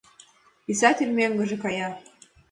Писатель мӧҥгыжӧ кая.